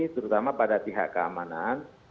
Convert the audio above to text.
terutama pada pihak keamanan